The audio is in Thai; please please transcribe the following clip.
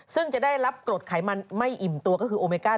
ซึ่งมีโอเมก้า๓